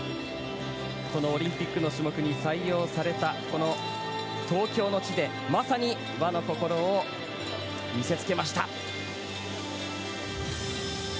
このオリンピックの種目に採用された、この東京の地でまさに和の心を見せつけました。